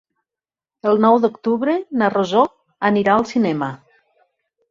El nou d'octubre na Rosó anirà al cinema.